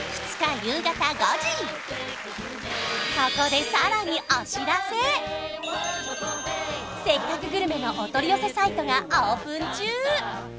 ここでさらにお知らせ「せっかくグルメ！！」のお取り寄せサイトがオープン中